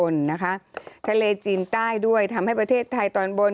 ไม่หมดไม่หมดฉันมีสองกระปุก